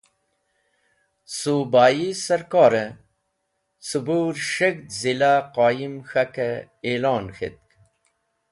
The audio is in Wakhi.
Subayi Sarkore cebur S̃heg̃hd zila qoyim k̃hake Elon k̃hetk.